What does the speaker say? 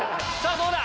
どうだ？